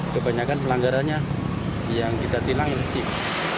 empat puluh lima kebanyakan pelanggarannya yang kita tilang ini simp